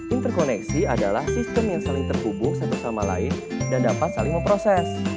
interkoneksi adalah sistem yang saling terhubung satu sama lain dan dapat saling memproses